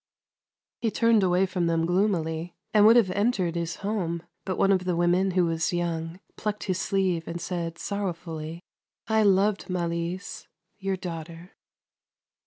He turned away from them gloom.ily, and would have entered his home, but one of the women, who THERE WAS A LITTLE CITY 343 was young, plucked his sleeve, and said sorrowfully: " I loved ^ialise, your daughter."